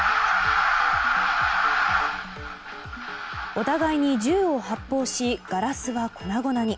お互いに銃を発砲しガラスは粉々に。